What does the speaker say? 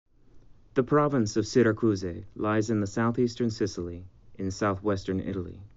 The Province of Syracuse lies in the southeastern Sicily, in southwestern Italy.